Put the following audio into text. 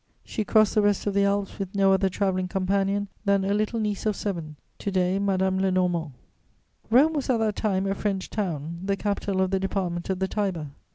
She crossed the rest of the Alps with no other travelling companion than a little niece of seven, to day Madame Lenormant. Rome was at that time a French town, the capital of the Department of the Tiber.